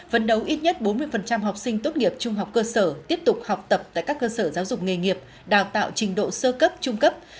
vấn đấu ít nhất bốn mươi học sinh tốt nghiệp trung học cơ sở tiếp tục học tập tại các cơ sở giáo dục nghề nghiệp đào tạo trình độ sơ cấp trung cấp